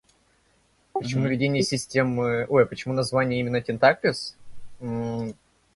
Уйди от солнца, скройся от людей.